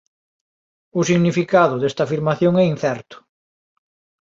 O significado desta afirmación é incerto.